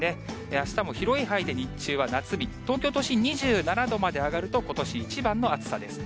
あしたも広い範囲で日中は夏日、東京都心２７度まで上がると、ことし一番の暑さです。